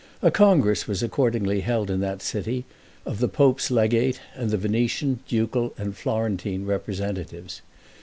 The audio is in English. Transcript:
A congress was accordingly held in that city, of the pope's legate and the Venetian, ducal, and Florentine representatives.